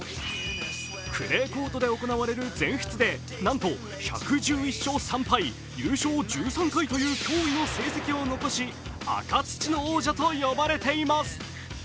クレーコートで行われる全仏でなんと１１１勝３敗優勝１３回という驚異の成績を残し、赤土の王者と呼ばれています。